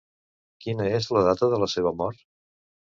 Quina és la data de la seva mort?